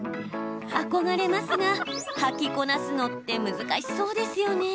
憧れますが、履きこなすのって難しそうですよね。